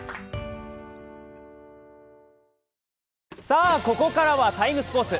さあ、ここからは「ＴＩＭＥ，スポーツ」。